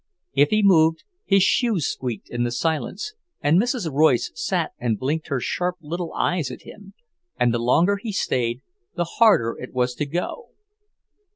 If he moved, his shoes squeaked in the silence, and Mrs. Royce sat and blinked her sharp little eyes at him, and the longer he stayed, the harder it was to go.